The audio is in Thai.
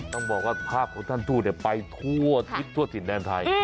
ต้องบอกว่าภาพของท่านทูตไปทั่วทิศทั่วถิ่นแดนไทย